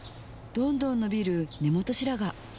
どんどん伸びる根元白髪